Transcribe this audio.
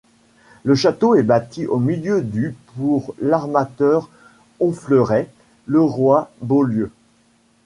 Le château est bâti au milieu du pour l'armateur honfleurais Leroi-Beaulieu.